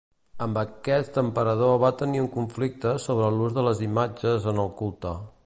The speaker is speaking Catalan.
Amb aquest emperador va tenir un conflicte sobre l'ús de les imatges en el culte.